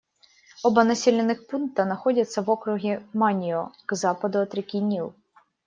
Оба населенных пункта находятся в округе Манио, к западу от реки Нил.